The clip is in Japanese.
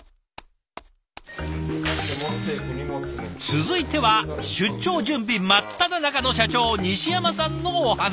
続いては出張準備真っただ中の社長西山さんのお話。